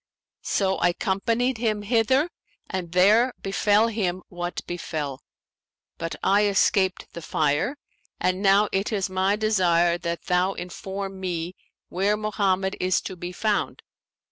So I companied him hither and there befell him what befell; but I escaped the fire and now it is my desire that thou inform me where Mohammed is to be found.'